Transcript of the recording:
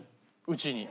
うちに。